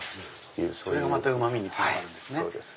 それがまたうま味につながるんですね。